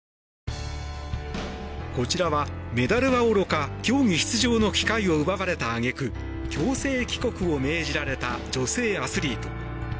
こちらはメダルはおろか競技出場の機会を奪われた揚げ句強制帰国を命じられた女性アスリート。